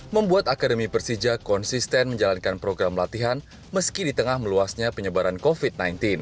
membuat akademi persija konsisten menjalankan program latihan meski di tengah meluasnya penyebaran covid sembilan belas